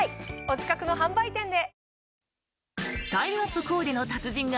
お近くの販売店で！